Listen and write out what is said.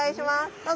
どうぞ。